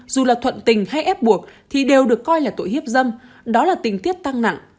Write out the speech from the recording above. dù là thuận tình hay ép buộc thì đều được coi là tội hiếp dâm đó là tình tiết tăng nặng